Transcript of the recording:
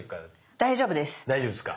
大丈夫ですか。